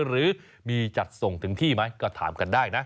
หรือมีจัดส่งถึงที่ไหมก็ถามกันได้นะ